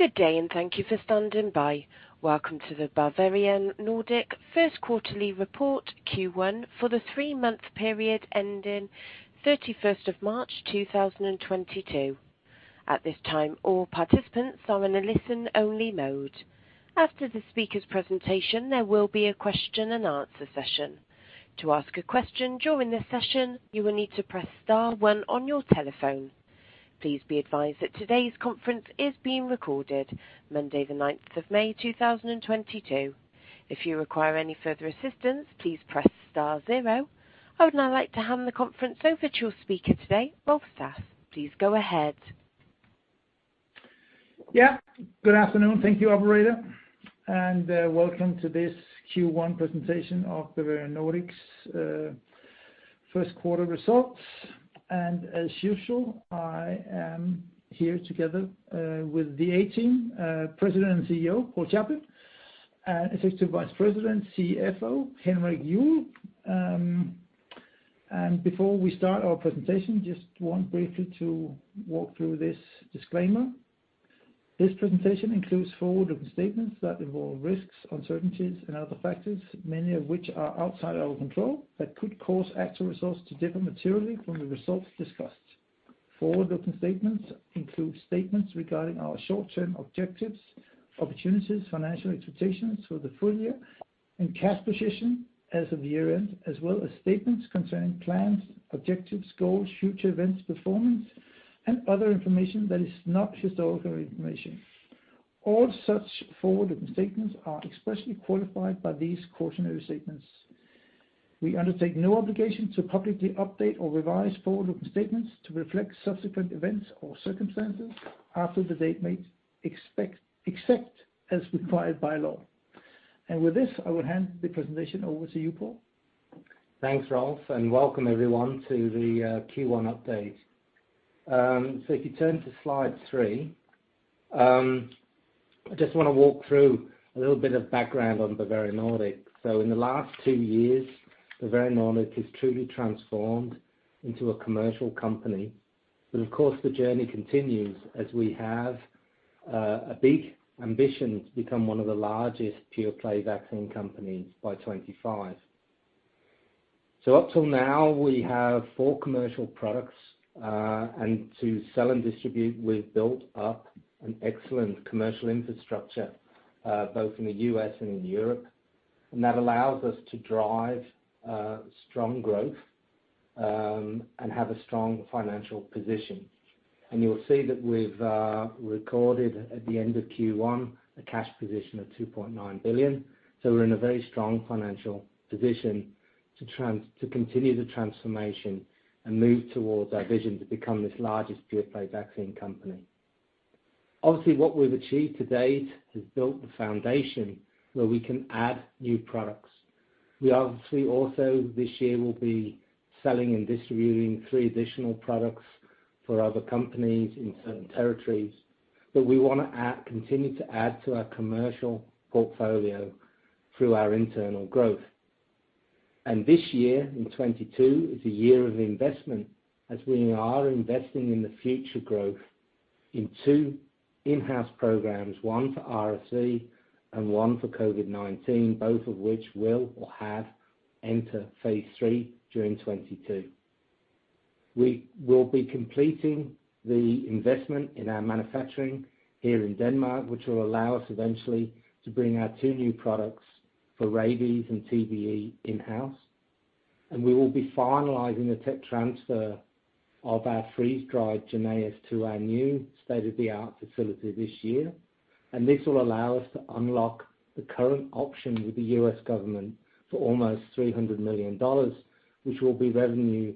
Good day, and thank you for standing by. Welcome to the Bavarian Nordic first quarterly report, Q1, for the three-month period ending 31st of March 2022. At this time, all participants are in a listen-only mode. After the speaker's presentation, there will be a question-and-answer session. To ask a question during this session, you will need to press star one on your telephone. Please be advised that today's conference is being recorded, Monday, the 9th of May 2022. If you require any further assistance, please press star zero. I would now like to hand the conference over to your speaker today, Rolf Sass Sørensen. Please go ahead. Yeah. Good afternoon. Thank you, operator, and welcome to this Q1 presentation of Bavarian Nordic's first quarter results. As usual, I am here together with the A team, President and CEO, Paul Chaplin, and Executive Vice President, CFO, Henrik Juuel. Before we start our presentation, just want briefly to walk through this disclaimer. This presentation includes forward-looking statements that involve risks, uncertainties, and other factors, many of which are outside our control, that could cause actual results to differ materially from the results discussed. Forward-looking statements include statements regarding our short-term objectives, opportunities, financial expectations for the full year and cash position as of year-end, as well as statements concerning plans, objectives, goals, future events, performance, and other information that is not historical information. All such forward-looking statements are expressly qualified by these cautionary statements. We undertake no obligation to publicly update or revise forward-looking statements to reflect subsequent events or circumstances after the date made, except as required by law. With this, I would hand the presentation over to you, Paul. Thanks, Rolf, and welcome everyone to the Q1 update. If you turn to slide three, I just wanna walk through a little bit of background on Bavarian Nordic. In the last two years, Bavarian Nordic has truly transformed into a commercial company. Of course, the journey continues as we have a big ambition to become one of the largest pure-play vaccine companies by 2025. Up till now, we have four commercial products, and to sell and distribute, we've built up an excellent commercial infrastructure, both in the U.S. and in Europe, and that allows us to drive strong growth, and have a strong financial position. You'll see that we've recorded at the end of Q1, a cash position of 2.9 billion. We're in a very strong financial position to continue the transformation and move towards our vision to become this largest pure-play vaccine company. Obviously, what we've achieved to date has built the foundation where we can add new products. We obviously also this year will be selling and distributing three additional products for other companies in certain territories. We wanna continue to add to our commercial portfolio through our internal growth. This year, in 2022, is a year of investment as we are investing in the future growth in two in-house programs, one for RSV and one for COVID-19, both of which will or have enter phase three during 2022. We will be completing the investment in our manufacturing here in Denmark, which will allow us eventually to bring our two new products for rabies and TBE in-house. We will be finalizing the tech transfer of our freeze-dried JYNNEOS to our new state-of-the-art facility this year. This will allow us to unlock the current option with the U.S. government for almost $300 million, which will be revenue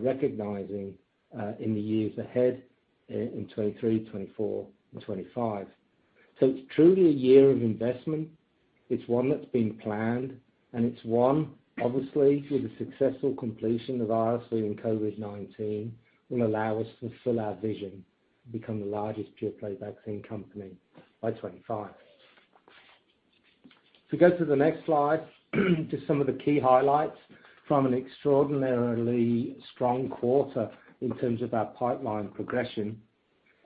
recognizing in the years ahead in 2023, 2024, and 2025. It's truly a year of investment. It's one that's been planned, and it's one, obviously, with the successful completion of RSV and COVID-19, will allow us to fulfill our vision to become the largest pure-play vaccine company by 2025. If you go to the next slide, just some of the key highlights from an extraordinarily strong quarter in terms of our pipeline progression.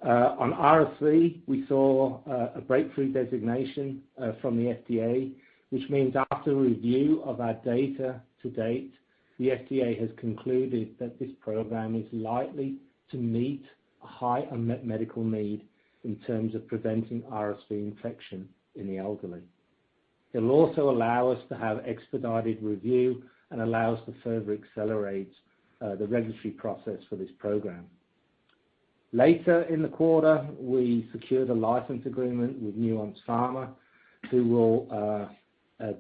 On RSV, we saw a breakthrough designation from the FDA, which means after review of our data to date, the FDA has concluded that this program is likely to meet a high unmet medical need in terms of preventing RSV infection in the elderly. It'll also allow us to have expedited review and allow us to further accelerate the regulatory process for this program. Later in the quarter, we secured a license agreement with Nuance Pharma, who will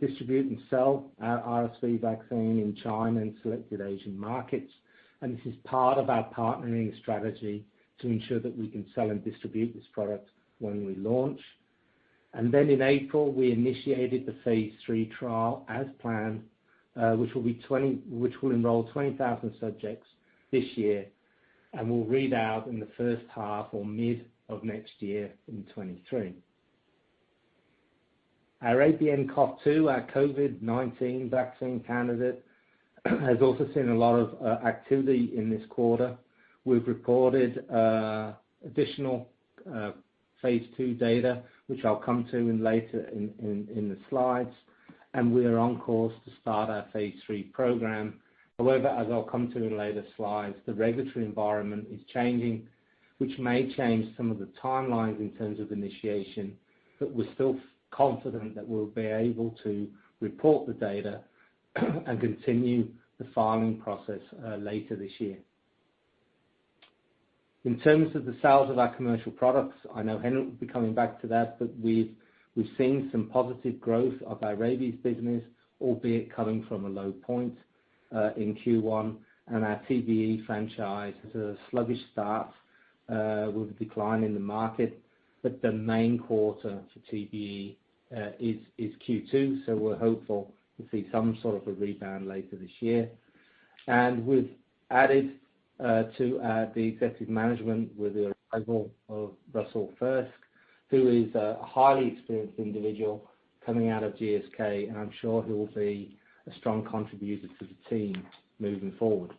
distribute and sell our RSV vaccine in China and selected Asian markets. This is part of our partnering strategy to ensure that we can sell and distribute this product when we launch. Then in April, we initiated the phase three trial as planned, which will enroll 20,000 subjects this year and will read out in the first half or mid of next year in 2023. Our ABNCoV2, our COVID-19 vaccine candidate, has also seen a lot of activity in this quarter. We've reported additional phase two data, which I'll come to later in the slides, and we are on course to start our phase three program. However, as I'll come to in later slides, the regulatory environment is changing, which may change some of the timelines in terms of initiation, but we're still confident that we'll be able to report the data and continue the filing process later this year. In terms of the sales of our commercial products, I know Henrik will be coming back to that, but we've seen some positive growth of our rabies business, albeit coming from a low point in Q1, and our TBE franchise is a sluggish start with a decline in the market. The main quarter for TBE is Q2, so we're hopeful to see some sort of a rebound later this year. We've added to the executive management with the arrival of Russell Thirsk, who is a highly experienced individual coming out of GSK, and I'm sure he will be a strong contributor to the team moving forward.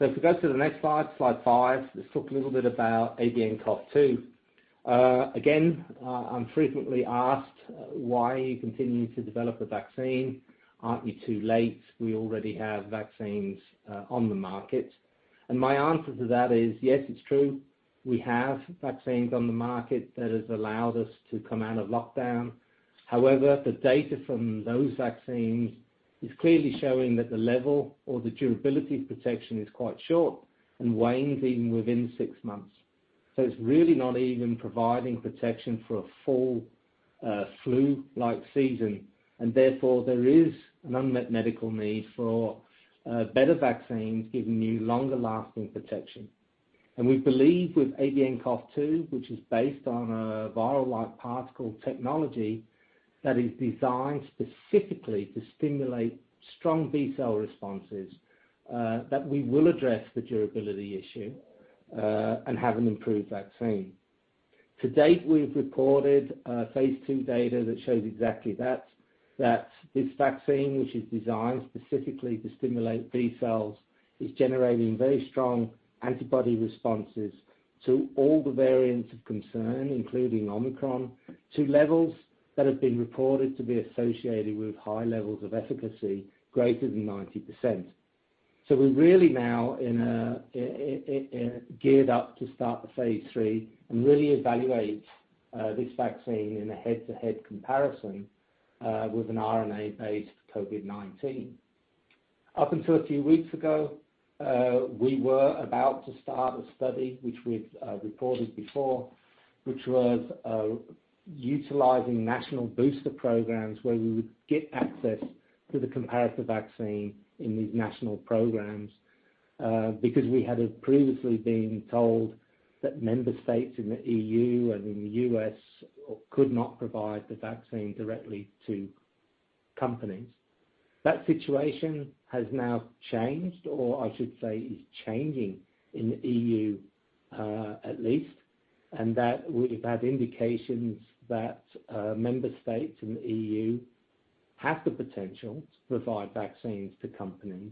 If we go to the next slide 5, let's talk a little bit about ABNCoV2. I'm frequently asked, why are you continuing to develop a vaccine? Aren't you too late? We already have vaccines on the market. My answer to that is, yes, it's true, we have vaccines on the market that has allowed us to come out of lockdown. However, the data from those vaccines is clearly showing that the level or the durability of protection is quite short and wanes even within six months. It's really not even providing protection for a full flu-like season, and therefore, there is an unmet medical need for better vaccines giving you longer-lasting protection. We believe with ABNCoV2, which is based on a virus-like particle technology that is designed specifically to stimulate strong B-cell responses, that we will address the durability issue and have an improved vaccine. To date, we've reported phase two data that shows exactly that this vaccine, which is designed specifically to stimulate B-cells, is generating very strong antibody responses to all the variants of concern, including Omicron, to levels that have been reported to be associated with high levels of efficacy greater than 90%. We're really now geared up to start the phase three and really evaluate this vaccine in a head-to-head comparison with an RNA-based COVID-19. Up until a few weeks ago, we were about to start a study which we've reported before, which was utilizing national booster programs where we would get access to the comparative vaccine in these national programs, because we had previously been told that member states in the EU and in the U.S. could not provide the vaccine directly to companies. That situation has now changed, or I should say is changing in the EU, at least, and that we've had indications that member states in the EU have the potential to provide vaccines to companies.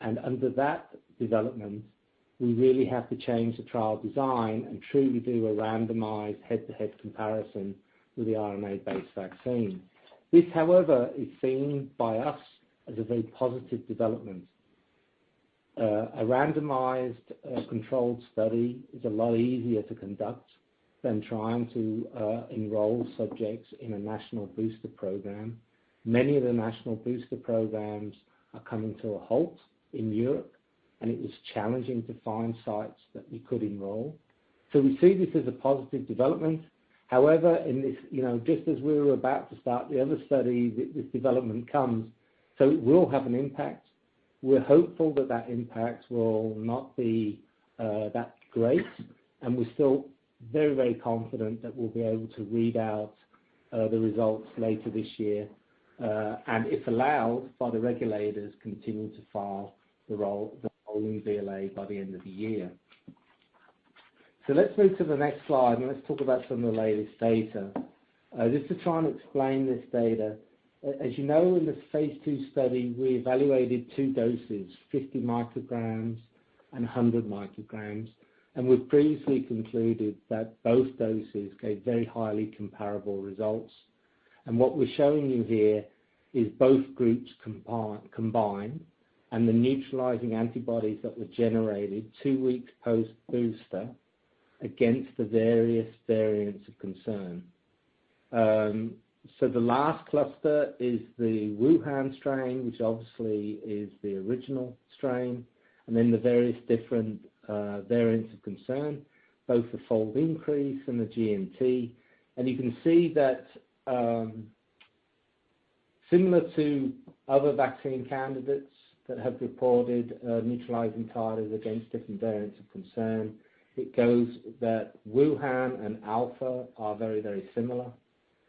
Under that development, we really have to change the trial design and truly do a randomized head-to-head comparison with the RNA-based vaccine. This, however, is seen by us as a very positive development. A randomized controlled study is a lot easier to conduct than trying to enroll subjects in a national booster program. Many of the national booster programs are coming to a halt in Europe, and it was challenging to find sites that we could enroll. We see this as a positive development. However, in this, you know, just as we were about to start the other study, this development comes, so it will have an impact. We're hopeful that that impact will not be that great, and we're still very, very confident that we'll be able to read out the results later this year, and if allowed by the regulators, continue to file the rolling BLA by the end of the year. Let's move to the next slide, and let's talk about some of the latest data. Just to try and explain this data, as you know, in the phase two study, we evaluated two doses, 50 micrograms and 100 micrograms, and we've previously concluded that both doses gave very highly comparable results. What we're showing you here is both groups combined and the neutralizing antibodies that were generated two weeks post-booster against the various variants of concern. The last cluster is the Wuhan strain, which obviously is the original strain, and then the various different variants of concern, both the fold increase and the GMT. You can see that, similar to other vaccine candidates that have reported, neutralizing titers against different variants of concern, it goes that Wuhan and Alpha are very, very similar.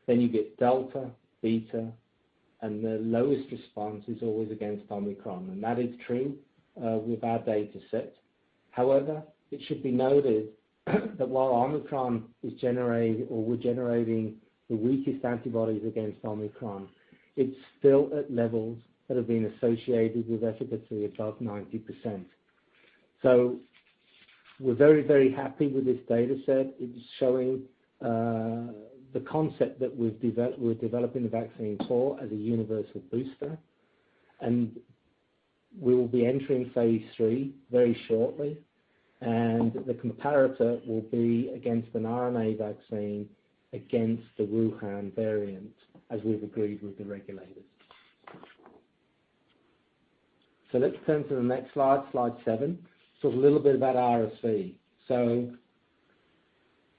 Then you get Delta, Beta, and the lowest response is always against Omicron, and that is true with our data set. However, it should be noted that while Omicron is generating or we're generating the weakest antibodies against Omicron, it's still at levels that have been associated with efficacy above 90%. We're very, very happy with this data set. It is showing the concept that we're developing the vaccine for as a universal booster, and we will be entering phase three very shortly. The comparator will be against an RNA vaccine against the Wuhan variant, as we've agreed with the regulators. Let's turn to the next slide seven. A little bit about RSV.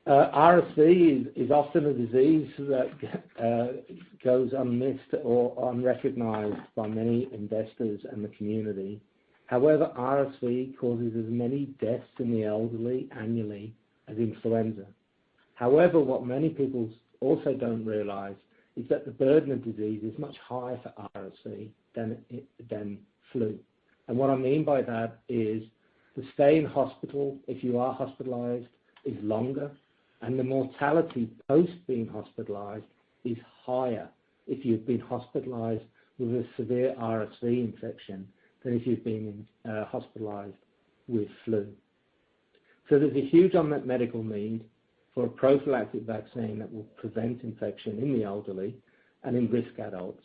RSV is often a disease that goes unmissed or unrecognized by many investors and the community. However, RSV causes as many deaths in the elderly annually as influenza. However, what many people also don't realize is that the burden of disease is much higher for RSV than flu. What I mean by that is the stay in hospital, if you are hospitalized, is longer, and the mortality post being hospitalized is higher if you've been hospitalized with a severe RSV infection than if you've been hospitalized with flu. There's a huge unmet medical need for a prophylactic vaccine that will prevent infection in the elderly and in risk adults.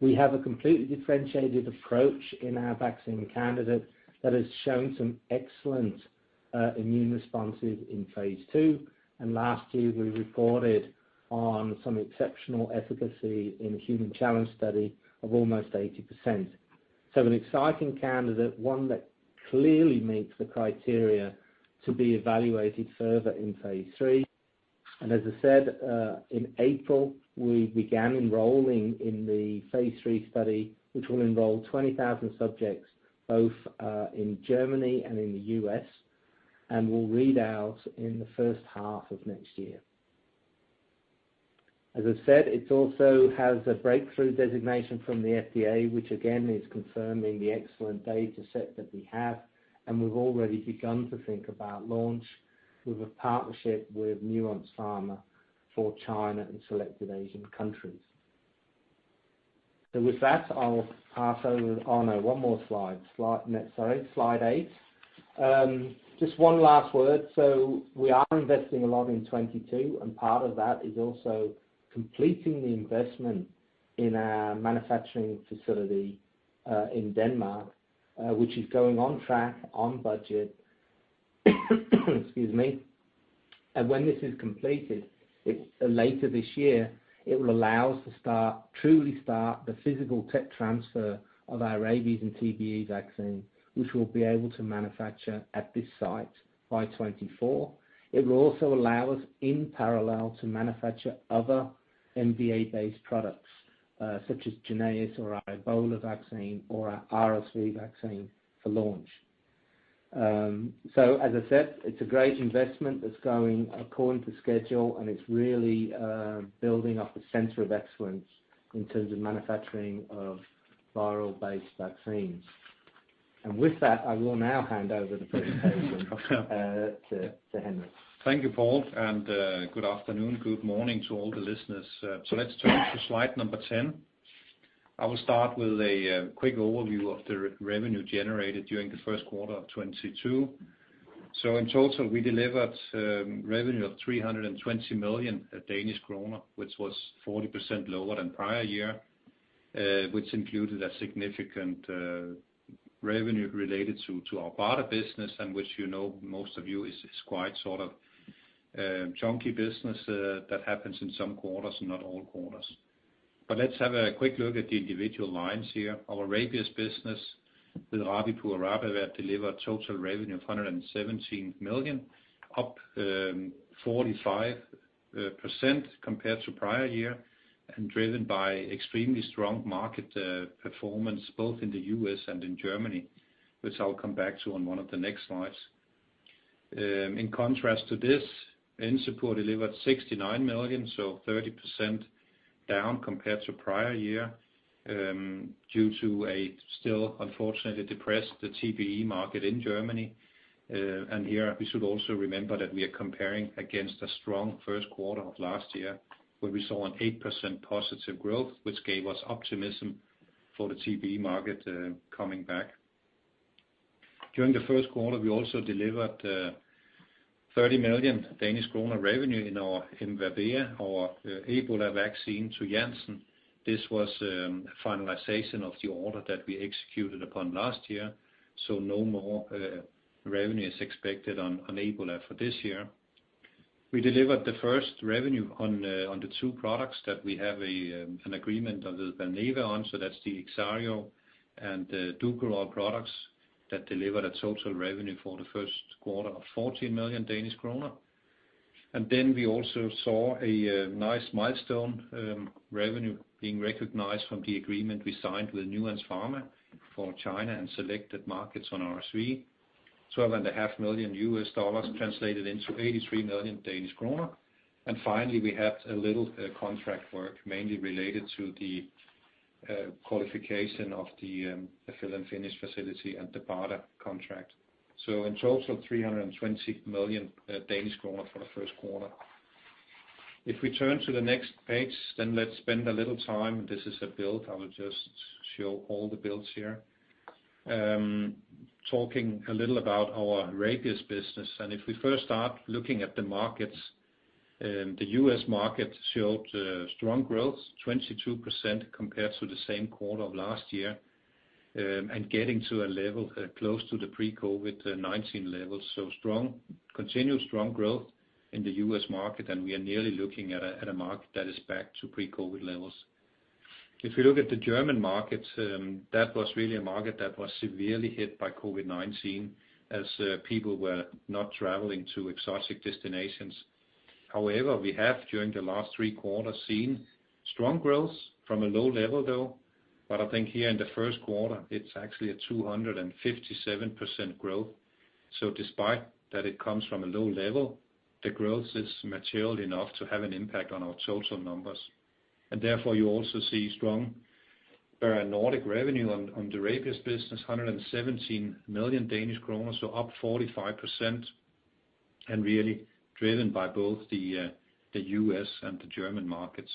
We have a completely differentiated approach in our vaccine candidate that has shown some excellent immune responses in phase two. Last year, we reported on some exceptional efficacy in a human challenge study of almost 80%. An exciting candidate, one that clearly meets the criteria to be evaluated further in phase three. In April, we began enrolling in the phase three study, which will enroll 20,000 subjects both in Germany and in the U.S., and will read out in the first half of next year. As I said, it also has a breakthrough designation from the FDA, which again is confirming the excellent data set that we have, and we've already begun to think about launch with a partnership with Nuance Pharma for China and selected Asian countries. With that, I'll pass over to Arne. One more slide. Slide eight. Just one last word. We are investing a lot in 2022, and part of that is also completing the investment in our manufacturing facility in Denmark, which is going on track, on budget. Excuse me. When this is completed, later this year, it will allow us to truly start the physical tech transfer of our rabies and TBE vaccine, which we'll be able to manufacture at this site by 2024. It will also allow us in parallel to manufacture other MVA-based products, such as JYNNEOS or our Ebola vaccine or our RSV vaccine for launch. So as I said, it's a great investment that's going according to schedule, and it's really building up a center of excellence in terms of manufacturing of viral-based vaccines. With that, I will now hand over the presentation to Henrik. Thank you, Paul, and good afternoon, good morning to all the listeners. Let's turn to slide number ten. I will start with a quick overview of the revenue generated during the first quarter of 2022. In total, we delivered revenue of 320 million Danish kroner, which was 40% lower than prior year, which included a significant revenue related to our BARDA business, and which, you know, most of you is quite sort of chunky business, that happens in some quarters and not all quarters. Let's have a quick look at the individual lines here. Our Rabies business with Rabipur/RabAvert and RabAvert delivered total revenue of 117 million, up 45% compared to prior year, and driven by extremely strong market performance both in the US and in Germany, which I'll come back to on one of the next slides. In contrast to this, Encepur delivered 69 million, so 30% down compared to prior year, due to a still unfortunately depressed TBE market in Germany. Here, we should also remember that we are comparing against a strong first quarter of last year, where we saw an 8% positive growth, which gave us optimism for the TBE market coming back. During the first quarter, we also delivered 30 million revenue in our IMVAMUNE, our Ebola vaccine to Janssen. This was finalization of the order that we executed upon last year, so no more revenue is expected on Ebola for this year. We delivered the first revenue on the two products that we have an agreement with Valneva on, so that's the IXIARO and Dukoral products that delivered a total revenue for the first quarter of 40 million Danish kroner. Then we also saw a nice milestone revenue being recognized from the agreement we signed with Nuance Pharma for China and selected markets on RSV. $12.5 million translated into 83 million Danish kroner. Finally, we have a little contract work mainly related to the qualification of the fill and finish facility and the BARDA contract. In total, 300 million for the first quarter. If we turn to the next page, let's spend a little time. This is a build. I will just show all the builds here. Talking a little about our Rapis business, and if we first start looking at the markets, the US market showed strong growth, 22% compared to the same quarter of last year, and getting to a level close to the pre-COVID-19 levels. Continued strong growth in the US market, and we are nearly looking at a market that is back to pre-COVID levels. If we look at the German market, that was really a market that was severely hit by COVID-19 as people were not traveling to exotic destinations. However, we have during the last three quarters seen strong growth from a low level though. I think here in the first quarter, it's actually a 257% growth. Despite that it comes from a low level, the growth is material enough to have an impact on our total numbers. Therefore, you also see strong Nordic revenue on the Rapis business, 117 million DKK, so up 45% and really driven by both the U.S. and the German markets.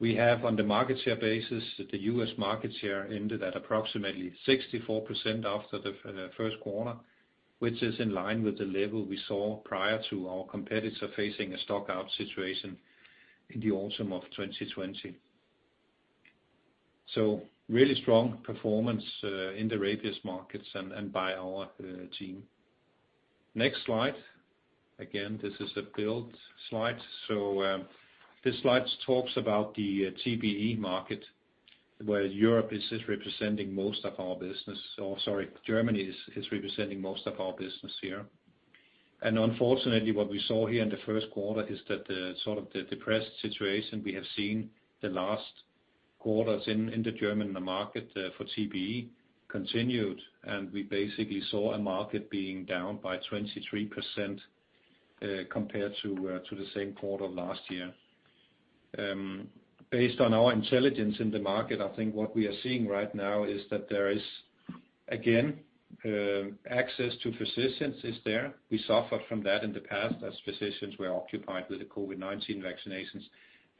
We have on the market share basis that the U.S. market share ended at approximately 64% after the first quarter, which is in line with the level we saw prior to our competitor facing a stock out situation in the autumn of 2020. Really strong performance in the Rapis markets and by our team. Next slide. Again, this is a build slide. This slide talks about the TBE market, where Europe is representing most of our business, or sorry, Germany is representing most of our business here. Unfortunately, what we saw here in the first quarter is that the sort of the depressed situation we have seen the last quarters in the German market for TBE continued, and we basically saw a market being down by 23%, compared to the same quarter last year. Based on our intelligence in the market, I think what we are seeing right now is that there is, again, access to physicians is there. We suffered from that in the past as physicians were occupied with the COVID-19 vaccinations.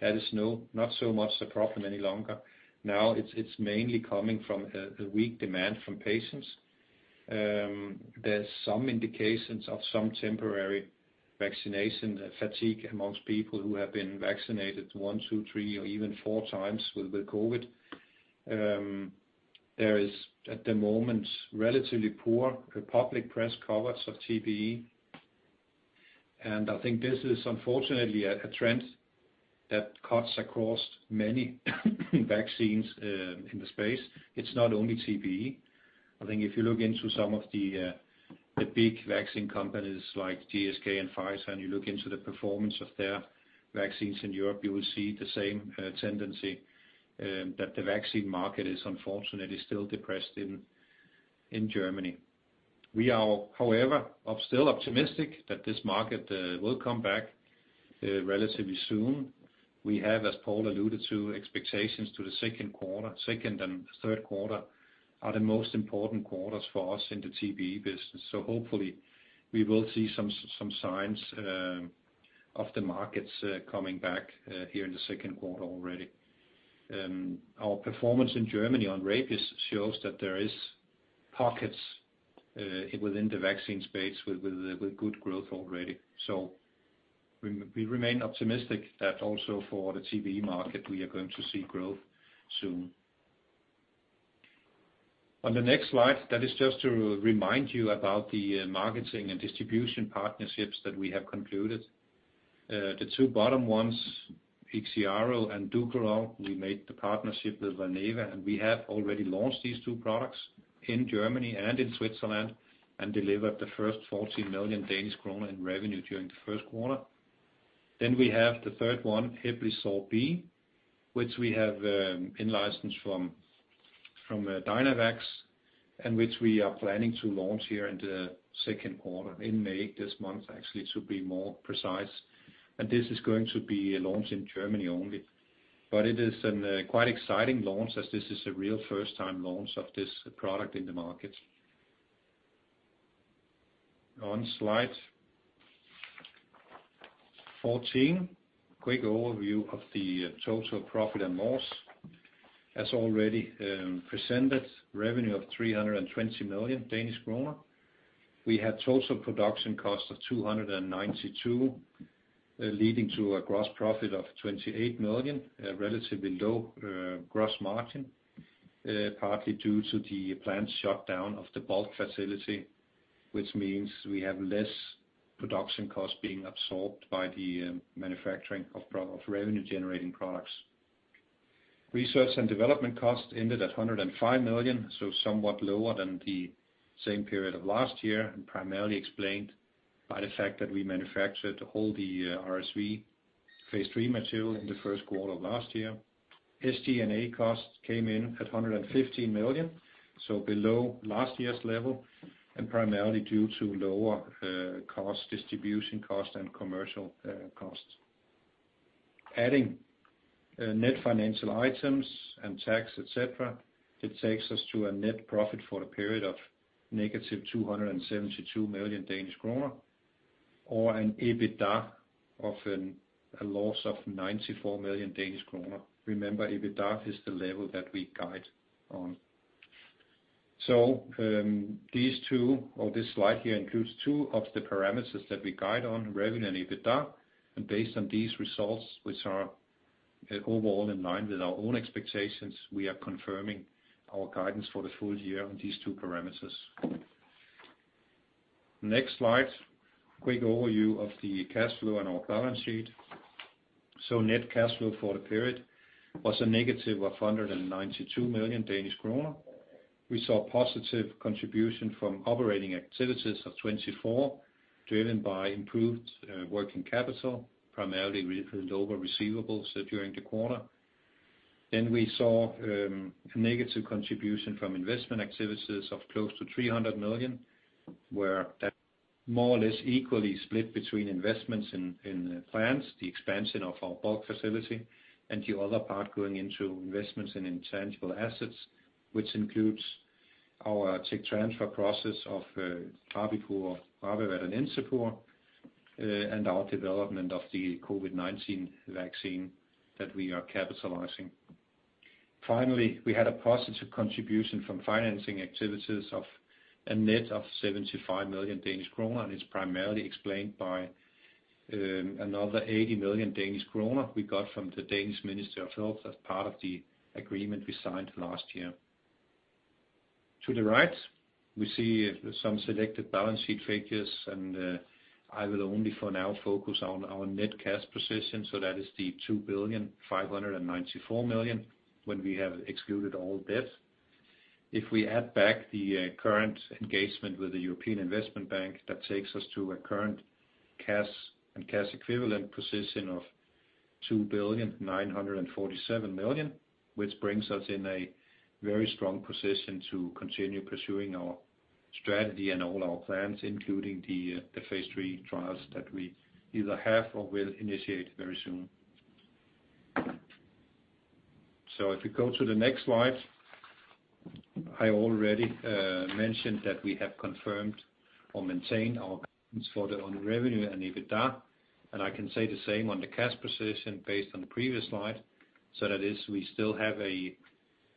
That is not so much the problem any longer. Now it's mainly coming from a weak demand from patients. There's some indications of some temporary vaccination fatigue among people who have been vaccinated one, two, three or even four times with the COVID. There is at the moment relatively poor public press coverage of TBE. I think this is unfortunately a trend that cuts across many vaccines in the space. It's not only TBE. I think if you look into some of the big vaccine companies like GSK and Pfizer, and you look into the performance of their vaccines in Europe, you will see the same tendency that the vaccine market is unfortunately still depressed in Germany. We are, however, still optimistic that this market will come back relatively soon. We have, as Paul alluded to, expectations to the second quarter. Second and third quarter are the most important quarters for us in the TBE business. Hopefully we will see some signs of the markets coming back here in the second quarter already. Our performance in Germany on Rabipur shows that there is pockets within the vaccine space with good growth already. We remain optimistic that also for the TBE market, we are going to see growth soon. On the next slide, that is just to remind you about the marketing and distribution partnerships that we have concluded. The two bottom ones, IXIARO and DUKORAL, we made the partnership with Valneva, and we have already launched these two products in Germany and in Switzerland and delivered the first 40 million Danish kroner in revenue during the first quarter. We have the third one, HEPLISAV-B, which we have in license from Dynavax, and which we are planning to launch here in the second quarter in May this month, actually, to be more precise. This is going to be a launch in Germany only. It is a quite exciting launch as this is a real first time launch of this product in the market. On slide fourteen, quick overview of the total profit and loss. As already presented, revenue of 320 million. We had total production cost of 292 million, leading to a gross profit of 28 million, a relatively low gross margin, partly due to the plant shutdown of the bulk facility, which means we have less production costs being absorbed by the manufacturing of revenue generating products. Research and development costs ended at 105 million, somewhat lower than the same period of last year, and primarily explained by the fact that we manufactured all the RSV phase 3 material in the first quarter of last year. SG&A costs came in at 115 million, below last year's level and primarily due to lower distribution costs and commercial costs. Adding net financial items and tax, et cetera, it takes us to a net profit for the period of -272 million Danish kroner or an EBITDA of a loss of 94 million Danish kroner. Remember, EBITDA is the level that we guide on. These two or this slide here includes two of the parameters that we guide on revenue and EBITDA. Based on these results, which are overall in line with our own expectations, we are confirming our guidance for the full year on these two parameters. Next slide, quick overview of the cash flow and our balance sheet. Net cash flow for the period was a negative of 192 million Danish kroner. We saw positive contribution from operating activities of 24, driven by improved working capital, primarily with lower receivables during the quarter. We saw a negative contribution from investment activities of close to 300 million, where that more or less equally split between investments in plants, the expansion of our bulk facility, and the other part going into investments in intangible assets, which includes our tech transfer process of Rabipur, RabAvert, and Ensifur, and our development of the COVID-19 vaccine that we are capitalizing. Finally, we had a positive contribution from financing activities of a net of 75 million Danish kroner, and it's primarily explained by another 80 million Danish kroner we got from the Danish Minister of Health as part of the agreement we signed last year. To the right, we see some selected balance sheet figures, and I will only for now focus on our net cash position, so that is the 2,594 million when we have excluded all debt. If we add back the current engagement with the European Investment Bank, that takes us to a current cash and cash equivalent position of 2,947 million, which brings us in a very strong position to continue pursuing our strategy and all our plans, including the phase three trials that we either have or will initiate very soon. If you go to the next slide. I already mentioned that we have confirmed or maintained our guidance for the 2022 revenue and EBITDA, and I can say the same on the cash position based on the previous slide. That is, we still have a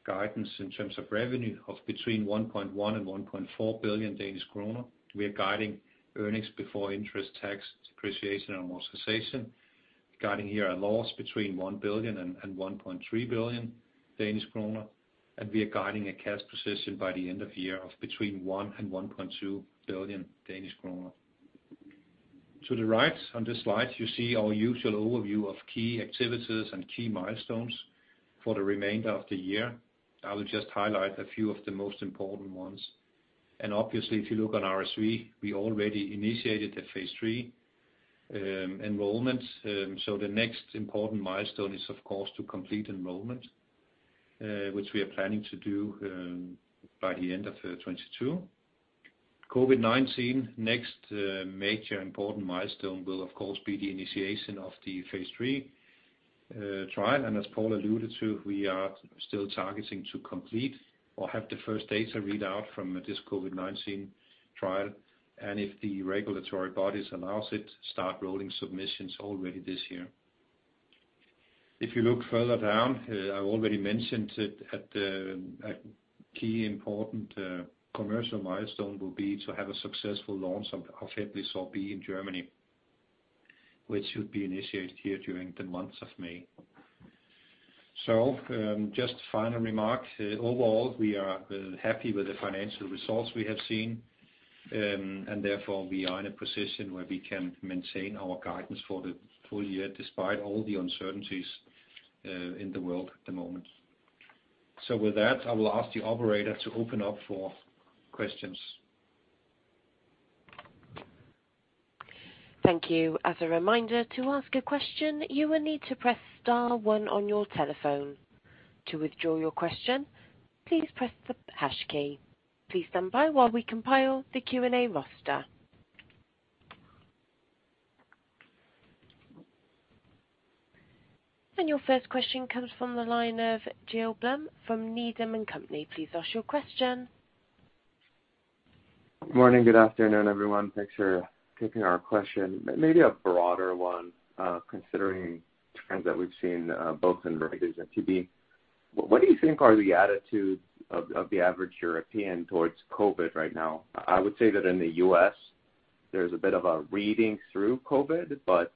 guidance in terms of revenue of between 1.1 billion and 1.4 billion Danish kroner. We are guiding earnings before interest, tax, depreciation, amortization. Guiding here a loss between 1 billion and 1.3 billion Danish kroner. We are guiding a cash position by the end of year of between 1 billion and 1.2 billion. To the right on this slide, you see our usual overview of key activities and key milestones for the remainder of the year. I will just highlight a few of the most important ones. Obviously, if you look on RSV, we already initiated the phase 3 enrollment. The next important milestone is, of course, to complete enrollment, which we are planning to do, by the end of 2022. COVID-19 next, major important milestone will of course be the initiation of the phase three trial. As Paul alluded to, we are still targeting to complete or have the first data readout from this COVID-19 trial, and if the regulatory bodies allows it, start rolling submissions already this year. If you look further down, I already mentioned it at key important commercial milestone will be to have a successful launch of HEPLISAV-B in Germany, which will be initiated here during the months of May. Just final remarks. Overall, we are happy with the financial results we have seen, and therefore we are in a position where we can maintain our guidance for the full year despite all the uncertainties in the world at the moment. With that, I will ask the operator to open up for questions. Thank you. As a reminder, to ask a question, you will need to press star one on your telephone. To withdraw your question, please press the hash key. Please stand by while we compile the Q&A roster. Your first question comes from the line of Gil Blum from Needham & Company. Please ask your question. Morning, good afternoon, everyone. Thanks for taking our question. Maybe a broader one, considering trends that we've seen both in Reuters and TD. What do you think are the attitudes of the average European towards COVID right now? I would say that in the US there's a bit of a reading through COVID, but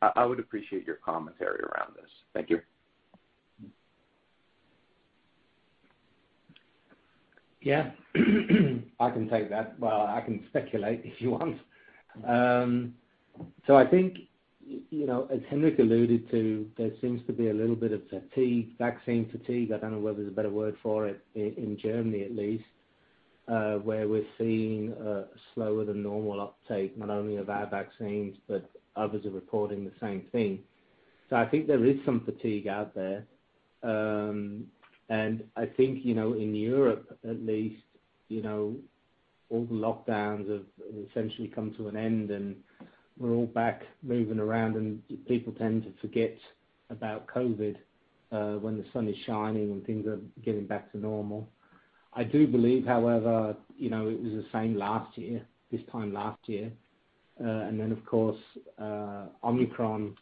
I would appreciate your commentary around this. Thank you. Yeah. I can take that. Well, I can speculate if you want. I think, you know, as Henrik alluded to, there seems to be a little bit of fatigue, vaccine fatigue. I don't know whether there's a better word for it, in Germany at least. where we're seeing a slower than normal uptake, not only of our vaccines, but others are reporting the same thing. I think there is some fatigue out there. I think, you know, in Europe at least, you know, all the lockdowns have essentially come to an end and we're all back moving around, and people tend to forget about COVID when the sun is shining and things are getting back to normal. I do believe, however, you know, it was the same last year, this time last year. Then of course, Omicron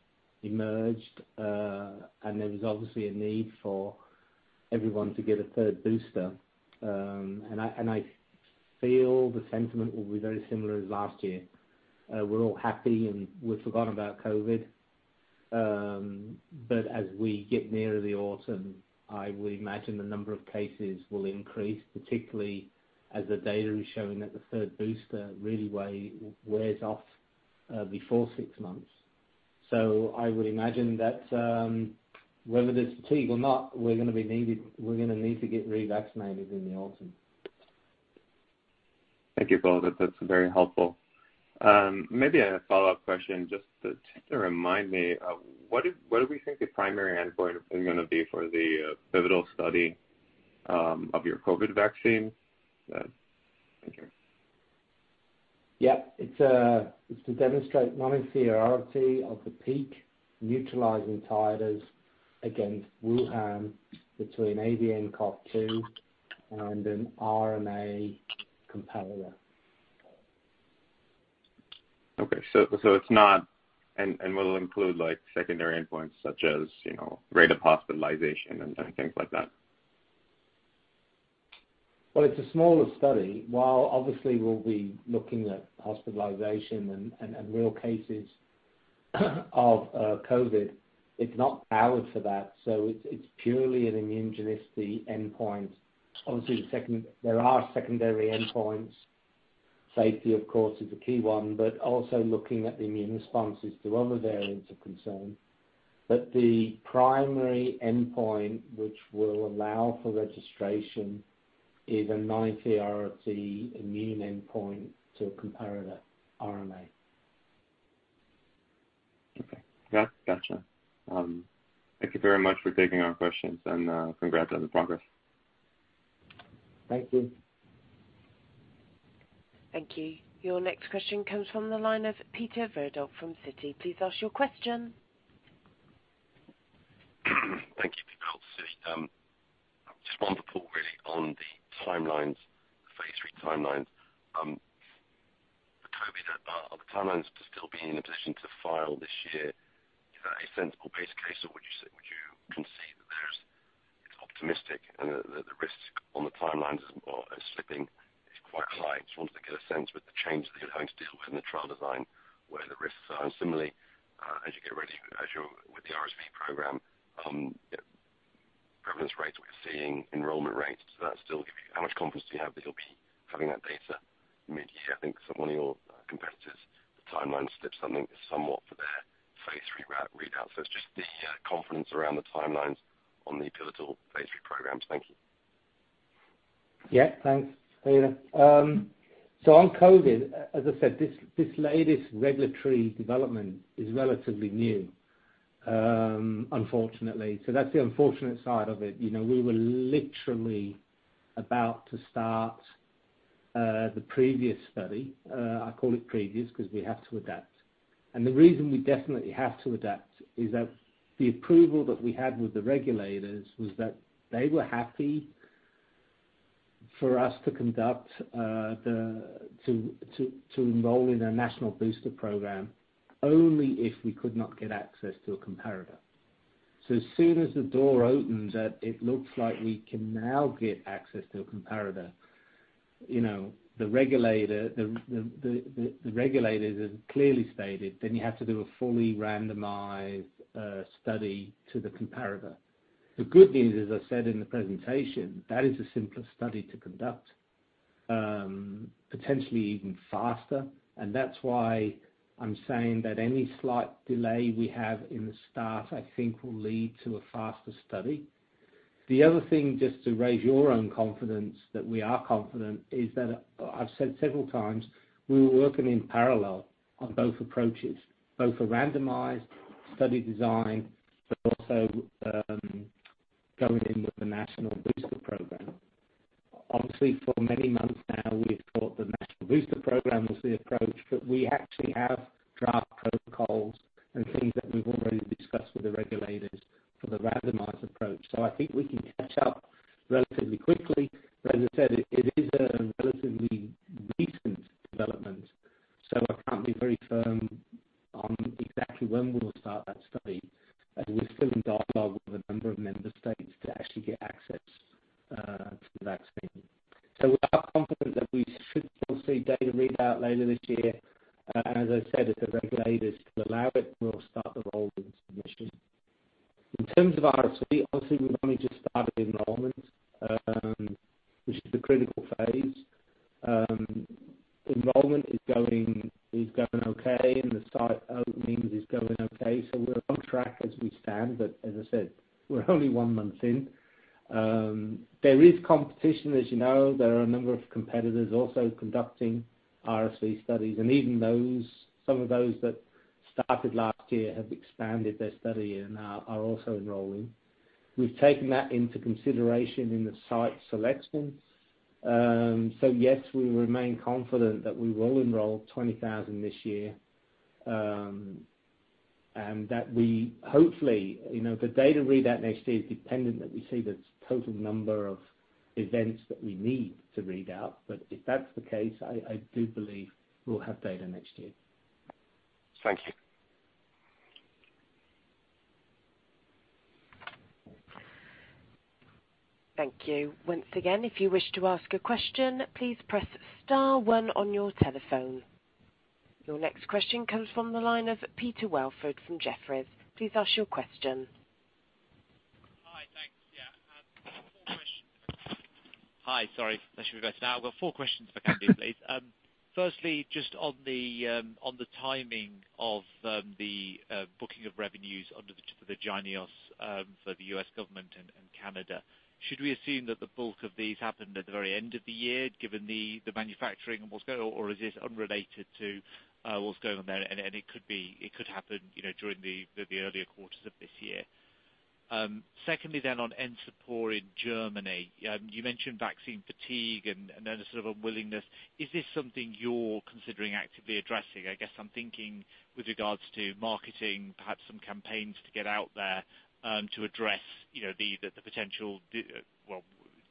emerged, and there was obviously a need for everyone to get a third booster. I feel the sentiment will be very similar as last year. We're all happy and we've forgotten about COVID. As we get near the autumn, I would imagine the number of cases will increase, particularly as the data is showing that the third booster really wears off before six months. I would imagine that, whether there's fatigue or not, we're gonna need to get revaccinated in the autumn. Thank you, Paul. That, that's very helpful. Maybe a follow-up question just to remind me of what do we think the primary endpoint is gonna be for the pivotal study of your COVID vaccine? Thank you. Yeah. It's to demonstrate non-inferiority of the peak neutralizing titers against Wuhan between AD and COP2 and an RNA comparator. It's not, and will include like secondary endpoints such as, you know, rate of hospitalization and things like that. Well, it's a smaller study. While obviously we'll be looking at hospitalization and real cases of COVID, it's not powered for that. It's purely an immunogenicity endpoint. Obviously, there are secondary endpoints. Safety, of course, is a key one, but also looking at the immune responses to other variants of concern. The primary endpoint, which will allow for registration, is a non-inferiority immune endpoint to a comparator RNA. Okay. Gotcha. Thank you very much for taking our questions and, congrats on the progress. Thank you. Thank you. Your next question comes from the line of Peter Verdult from Citi. Please ask your question. Thank you, Peter from Citi. Just one for Paul, really, on the timelines, phase three timelines. For COVID, are the timelines to still be in a position to file this year? Is that a sensible base case, or would you concede that it's optimistic and that the risks on the timelines are slipping is quite high? Just wanted to get a sense with the changes that you're having to deal with in the trial design, where the risks are. Similarly, as you get ready with the RSV program, prevalence rates we're seeing, enrollment rates, does that still give you confidence that you'll be having that data mid-year? How much confidence do you have that you'll be having that data mid-year? I think one of your competitors, the timeline slipped somewhat for their phase three re-readout. It's just the confidence around the timelines on the pivotal phase three programs. Thank you. Yeah, thanks, Peter. So on COVID, as I said, this latest regulatory development is relatively new, unfortunately. So that's the unfortunate side of it. You know, we were literally about to start the previous study. I call it previous because we have to adapt. The reason we definitely have to adapt is that the approval that we had with the regulators was that they were happy for us to conduct to enroll in a national booster program only if we could not get access to a comparator. So as soon as the door opened that it looks like we can now get access to a comparator, you know, the regulators have clearly stated, then you have to do a fully randomized study to the comparator. The good news, as I said in the presentation, that is a simpler study to conduct, potentially even faster, and that's why I'm saying that any slight delay we have in the start, I think will lead to a faster study. The other thing, just to raise your own confidence that we are confident, is that I've said several times we were working in parallel on both approaches, both a randomized study design, but also, going in with the national booster program. Obviously, for many months now, we've thought the national booster program was the approach, but we actually have draft protocols and things that we've already discussed with the regulators for the randomized approach. I think we can catch up relatively quickly, but as I said, it is a relatively recent development, so I can't be very firm on exactly when we'll start that study as we're still in dialogue with a number of member states to actually get access to the vaccine. We are confident that we should foresee data readout later this year. As I said, if the regulators allow it, we'll start the rolling submission. In terms of RSV, obviously we've only just started enrollment, which is the critical phase. Enrollment is going okay, and the site opening is going okay. We're on track as we stand. As I said, we're only one month in. There is competition, as you know. There are a number of competitors also conducting RSV studies, and even those, some of those that started last year have expanded their study and are also enrolling. We've taken that into consideration in the site selection. Yes, we remain confident that we will enroll 20,000 this year, and that we hopefully, you know, the data readout next year is dependent that we see the total number of events that we need to read out. If that's the case, I do believe we'll have data next year. Thank you. Thank you. Once again, if you wish to ask a question, please press star one on your telephone. Your next question comes from the line of Peter Welford from Jefferies. Please ask your question. Hi. Thanks. Yeah. Four questions. Hi. Sorry. That should be better now. I've got four questions for Kammy, please. Firstly, just on the timing of the booking of revenues under the for the JYNNEOS for the U.S. government and Canada. Should we assume that the bulk of these happened at the very end of the year, given the manufacturing and what's going on, or is this unrelated to what's going on there? And it could be, it could happen, you know, during the earlier quarters of this year. Secondly on Encepur in Germany, you mentioned vaccine fatigue and then a sort of unwillingness. Is this something you're considering actively addressing? I guess I'm thinking with regards to marketing, perhaps some campaigns to get out there, to address, you know, the potential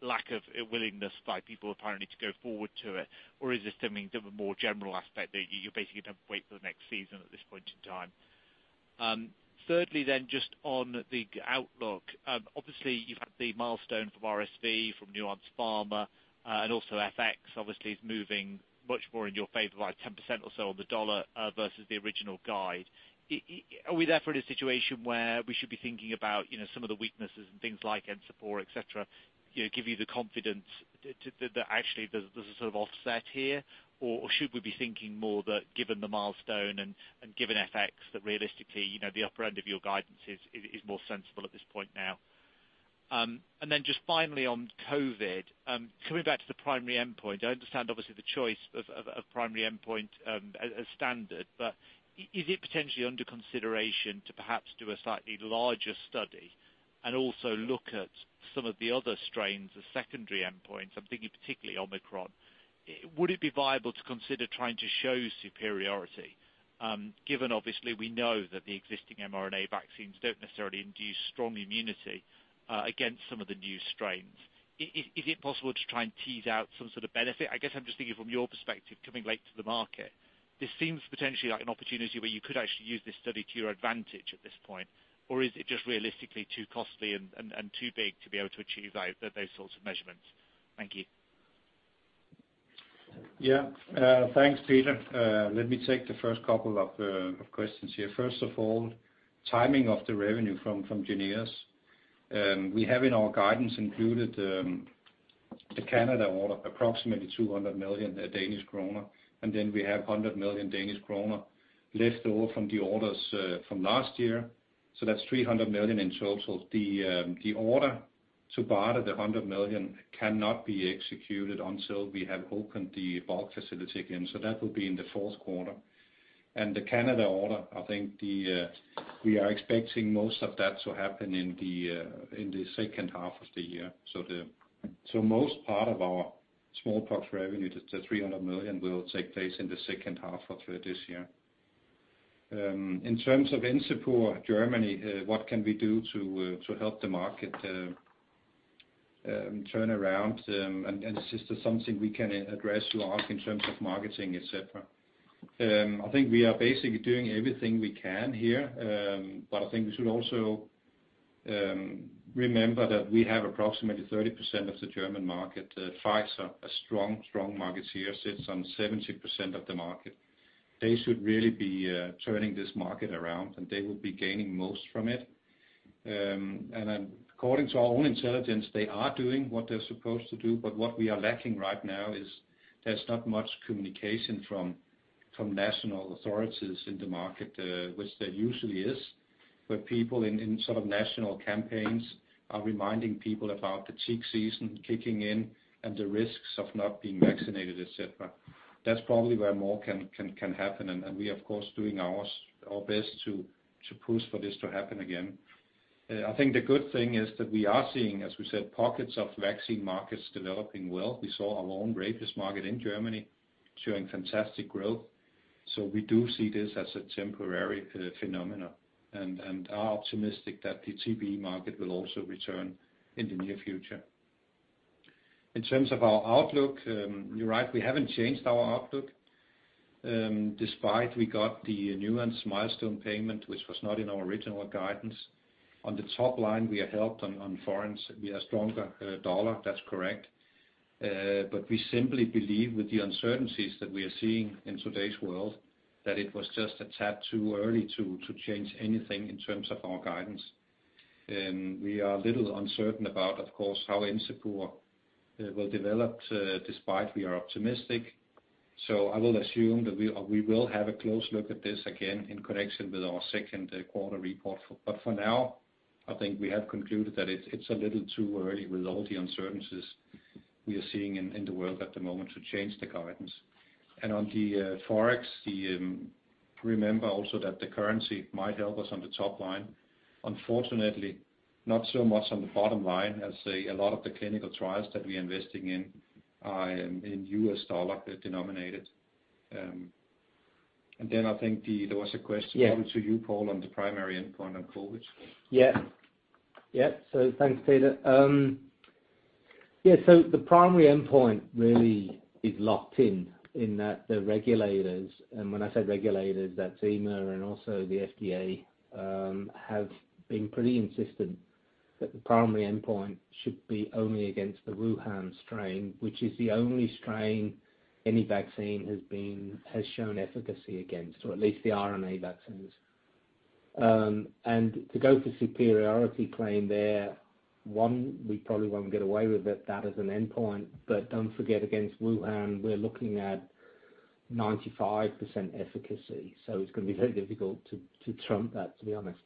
lack of willingness by people apparently to go forward to it, or is this something that a more general aspect that you're basically gonna wait for the next season at this point in time? Thirdly, just on the outlook, obviously you've had the milestone from RSV, from Nuance Pharma, and also FX obviously is moving much more in your favor, by 10% or so on the dollar, versus the original guide. Are we therefore in a situation where we should be thinking about, you know, some of the weaknesses and things like Encepur, et cetera, you know, give you the confidence that actually there's a sort of offset here? Should we be thinking more that given the milestone and given FX, that realistically, you know, the upper end of your guidance is more sensible at this point now? Just finally on COVID, coming back to the primary endpoint, I understand obviously the choice of primary endpoint as standard, but is it potentially under consideration to perhaps do a slightly larger study and also look at some of the other strains as secondary endpoints? I'm thinking particularly Omicron. Would it be viable to consider trying to show superiority, given obviously we know that the existing mRNA vaccines don't necessarily induce strong immunity against some of the new strains? Is it possible to try and tease out some sort of benefit? I guess I'm just thinking from your perspective, coming late to the market, this seems potentially like an opportunity where you could actually use this study to your advantage at this point, or is it just realistically too costly and too big to be able to achieve those sorts of measurements? Thank you. Yeah. Thanks, Peter. Let me take the first couple of questions here. First of all, timing of the revenue from JYNNEOS. We have in our guidance included the Canada order, approximately 200 million Danish kroner, and then we have 100 million Danish kroner left over from the orders from last year. That's 300 million in total. The BARDA order, the 100 million, cannot be executed until we have opened the bulk facility again. That will be in the fourth quarter. The Canada order, I think we are expecting most of that to happen in the second half of the year. Most part of our smallpox revenue, the 300 million, will take place in the second half of this year. In terms of Encepur Germany, what can we do to help the market turn around, and is this something we can address last in terms of marketing, et cetera? I think we are basically doing everything we can here. I think we should also remember that we have approximately 30% of the German market. Pfizer, a strong market share, sits on 70% of the market. They should really be turning this market around, and they will be gaining most from it. According to our own intelligence, they are doing what they're supposed to do. What we are lacking right now is there's not much communication from national authorities in the market, which there usually is, where people in sort of national campaigns are reminding people about the tick season kicking in and the risks of not being vaccinated, et cetera. That's probably where more can happen. We of course doing our best to push for this to happen again. I think the good thing is that we are seeing, as we said, pockets of vaccine markets developing well. We saw our Encepur market in Germany showing fantastic growth. We do see this as a temporary phenomena and are optimistic that the TBE market will also return in the near future. In terms of our outlook, you're right, we haven't changed our outlook, despite we got the Nuance milestone payment, which was not in our original guidance. On the top line, we are helped by a stronger dollar, that's correct. We simply believe with the uncertainties that we are seeing in today's world, that it was just a tad too early to change anything in terms of our guidance. We are a little uncertain about, of course, how Imsevikuu will develop, despite we are optimistic. I will assume that we will have a close look at this again in connection with our second quarter report. For now, I think we have concluded that it's a little too early with all the uncertainties we are seeing in the world at the moment to change the guidance. On the forex, remember also that the currency might help us on the top line. Unfortunately, not so much on the bottom line as a lot of the clinical trials that we're investing in are in U.S. dollar-denominated. Then I think there was a question. Yeah. To you, Paul, on the primary endpoint on COVID. Yeah. Thanks, Peter. The primary endpoint really is locked in that the regulators, and when I say regulators, that's EMA and also the FDA, have been pretty insistent that the primary endpoint should be only against the Wuhan strain, which is the only strain any vaccine has shown efficacy against, or at least the RNA vaccines. To go to superiority claim there, we probably won't get away with that as an endpoint. Don't forget against Wuhan, we're looking at 95% efficacy. It's gonna be very difficult to trump that, to be honest.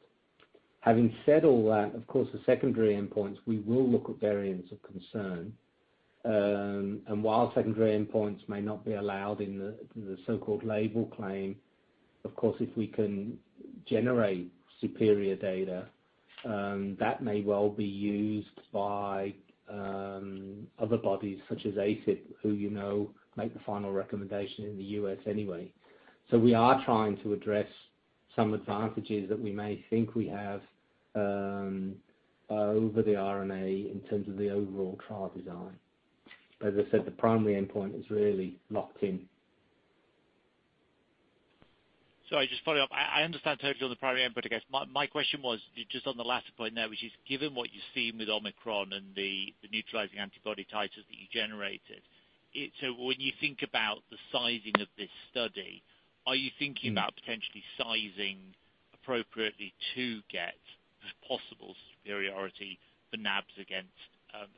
Having said all that, of course, the secondary endpoints, we will look at variants of concern. While secondary endpoints may not be allowed in the so-called label claim, of course, if we can generate superior data, that may well be used by other bodies such as ACIP, who, you know, make the final recommendation in the U.S. anyway. We are trying to address some advantages that we may think we have over the RNA in terms of the overall trial design. As I said, the primary endpoint is really locked in. Sorry, just follow up. I understand totally on the primary endpoint, I guess. My question was just on the last point there, which is given what you've seen with Omicron and the neutralizing antibody titers that you generated, it's when you think about the sizing of this study, are you thinking about potentially sizing appropriately to get as possible superiority the NAbs against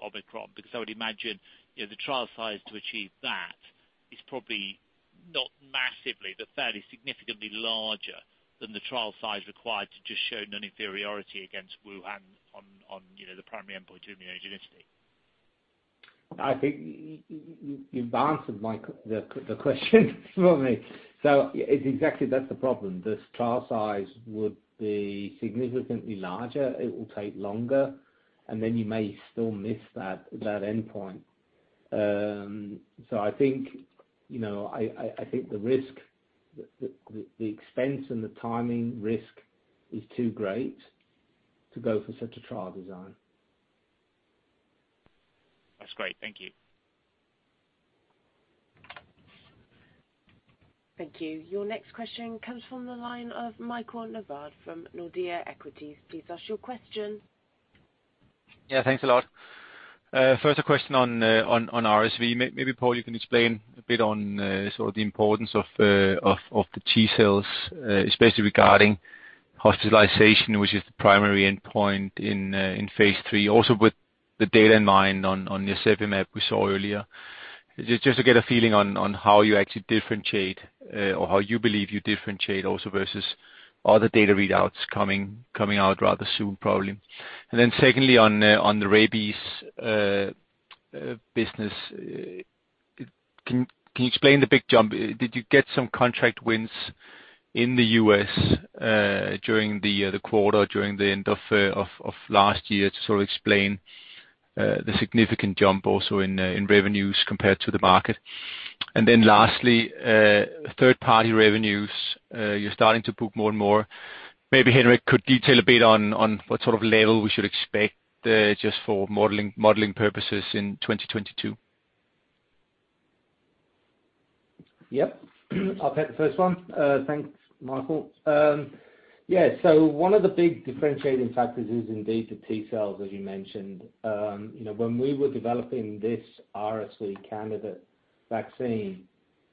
Omicron? Because I would imagine, you know, the trial size to achieve that is probably not massively, but fairly significantly larger than the trial size required to just show non-inferiority against Wuhan on the primary endpoint immunogenicity. I think you've answered the question for me. It's exactly that's the problem. This trial size would be significantly larger. It will take longer, and then you may still miss that endpoint. I think, you know, I think the risk, the expense and the timing risk is too great to go for such a trial design. That's great. Thank you. Thank you. Your next question comes from the line of Michael Novod from Nordea Equities. Please ask your question. Yeah, thanks a lot. First a question on RSV. Maybe, Paul, you can explain a bit on sort of the importance of the T-cells, especially regarding hospitalization, which is the primary endpoint in phase three. Also with the data in mind on nirsevimab we saw earlier. Just to get a feeling on how you actually differentiate or how you believe you differentiate also versus other data readouts coming out rather soon, probably. Secondly, on the rabies business, can you explain the big jump? Did you get some contract wins in the U.S. during the quarter, during the end of last year to sort of explain the significant jump also in revenues compared to the market? Then lastly, third-party revenues, you're starting to book more and more. Maybe Henrik could detail a bit on what sort of level we should expect, just for modeling purposes in 2022. I'll take the first one. Thanks, Michael. Yeah, one of the big differentiating factors is indeed the T cells, as you mentioned. You know, when we were developing this RSV candidate vaccine,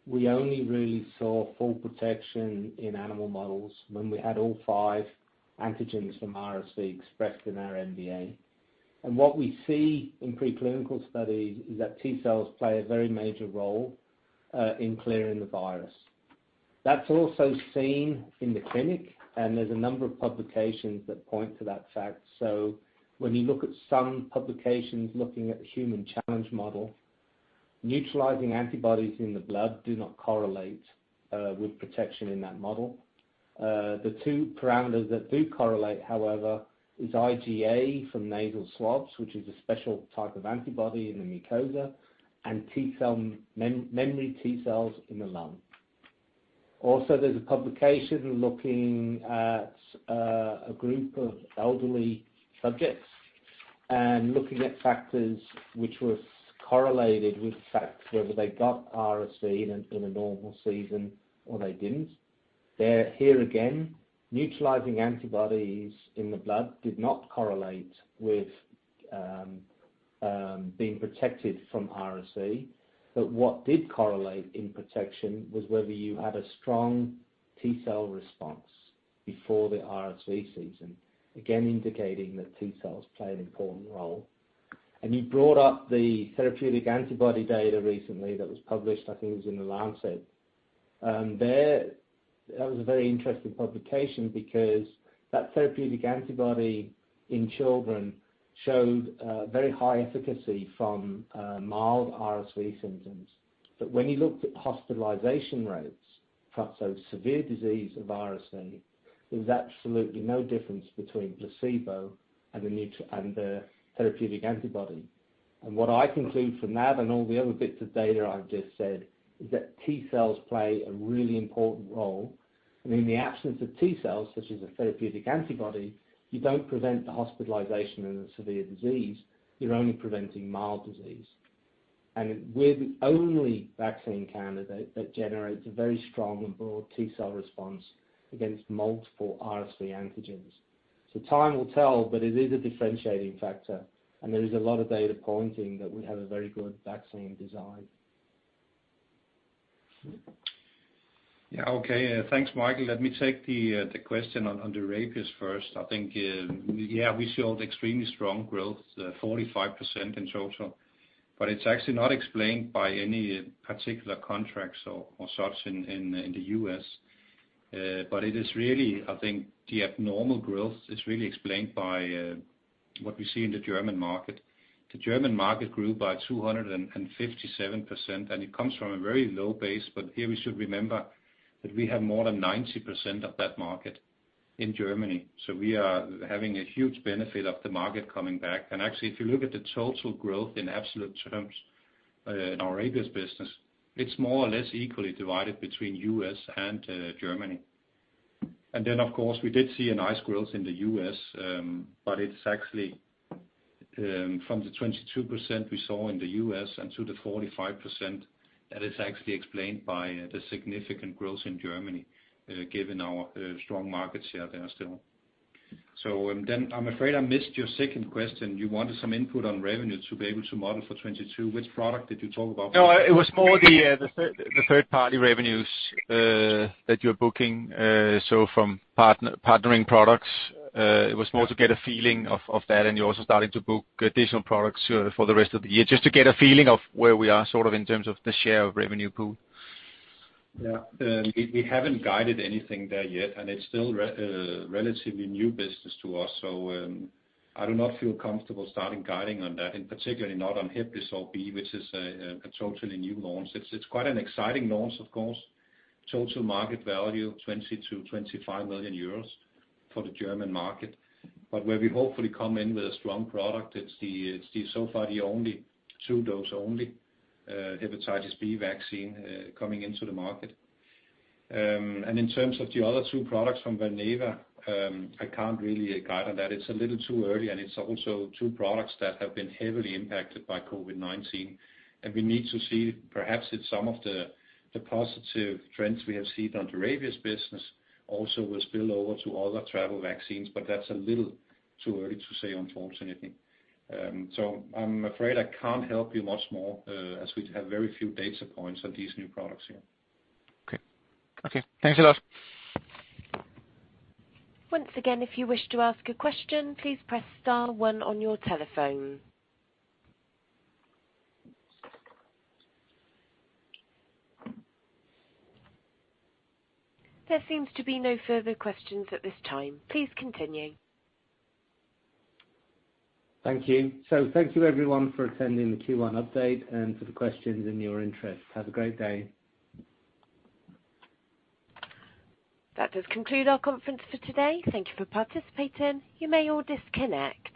we only really saw full protection in animal models when we had all five antigens from RSV expressed in our NDA. What we see in preclinical studies is that T cells play a very major role in clearing the virus. That's also seen in the clinic, and there's a number of publications that point to that fact. When you look at some publications looking at the human challenge model, neutralizing antibodies in the blood do not correlate with protection in that model. The two parameters that do correlate, however, is IgA from nasal swabs, which is a special type of antibody in the mucosa, and T-cell memory T-cells in the lung. Also, there's a publication looking at a group of elderly subjects and looking at factors which was correlated with the fact whether they got RSV in a normal season or they didn't. Here again, neutralizing antibodies in the blood did not correlate with being protected from RSV. What did correlate in protection was whether you had a strong T-cell response before the RSV season. Again, indicating that T-cells play an important role. You brought up the therapeutic antibody data recently that was published, I think it was in The Lancet. That was a very interesting publication because that therapeutic antibody in children showed very high efficacy from mild RSV symptoms. When you looked at hospitalization rates for severe disease of RSV, there's absolutely no difference between placebo and the therapeutic antibody. What I conclude from that, and all the other bits of data I've just said, is that T-cells play a really important role. In the absence of T-cells, such as a therapeutic antibody, you don't prevent the hospitalization and the severe disease, you're only preventing mild disease. We're the only vaccine candidate that generates a very strong and broad T-cell response against multiple RSV antigens. Time will tell, but it is a differentiating factor, and there is a lot of data pointing that we have a very good vaccine design. Yeah, okay. Thanks, Michael. Let me take the question on rabies first. I think, yeah, we showed extremely strong growth, 45% in total. It's actually not explained by any particular contracts or such in the U.S. It is really, I think, the abnormal growth is really explained by what we see in the German market. The German market grew by 257%, and it comes from a very low base. Here we should remember that we have more than 90% of that market in Germany. We are having a huge benefit of the market coming back. Actually, if you look at the total growth in absolute terms, in our rabies business, it's more or less equally divided between U.S. and Germany. Of course, we did see a nice growth in the U.S., but it's actually from the 22% we saw in the U.S. and to the 45%, that is actually explained by the significant growth in Germany, given our strong market share there still. I'm afraid I missed your second question. You wanted some input on revenues to be able to model for 2022. Which product did you talk about? No, it was more the third-party revenues that you're booking, so from partnering products. It was more to get a feeling of that, and you're also starting to book additional products for the rest of the year, just to get a feeling of where we are, sort of in terms of the share of revenue pool. Yeah. We haven't guided anything there yet, and it's still relatively new business to us. I do not feel comfortable starting guiding on that, and particularly not on HEPLISAV-B, which is a totally new launch. It's quite an exciting launch, of course. Total market value, 20-25 million euros for the German market. Where we hopefully come in with a strong product, it's so far the only two-dose only hepatitis B vaccine coming into the market. In terms of the other two products from Valneva, I can't really guide on that. It's a little too early, and it's also two products that have been heavily impacted by COVID-19. We need to see perhaps if some of the positive trends we have seen on rabies business also will spill over to other travel vaccines. That's a little too early to say, unfortunately. I'm afraid I can't help you much more, as we have very few data points on these new products here. Okay. Thanks a lot. Once again, if you wish to ask a question, please press star one on your telephone. There seems to be no further questions at this time. Please continue. Thank you. Thank you, everyone, for attending the Q1 update and for the questions and your interest. Have a great day. That does conclude our conference for today. Thank you for participating. You may all disconnect.